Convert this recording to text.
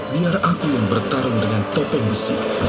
biar aku yang bertarung dengan topeng besi